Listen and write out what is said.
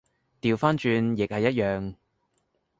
掉返轉亦係一樣